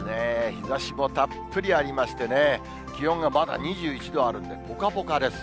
日ざしもたっぷりありましてね、気温がまだ２１度あるんで、ぽかぽかです。